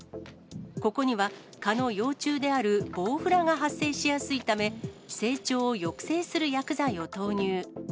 ここには、蚊の幼虫であるボウフラが発生しやすいため、成長を抑制する薬剤を投入。